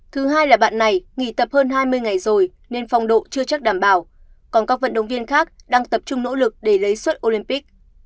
thứ hai là bạn này nghỉ tập hơn hai mươi ngày rồi nên phong độ chưa chắc đảm bảo còn các vận động viên khác đang tập trung nỗ lực để lấy suất olympic